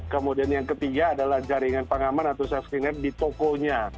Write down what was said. kemudian yang ketiga adalah jaringan pengaman atau safect di tokonya